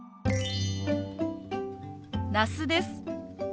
那須です。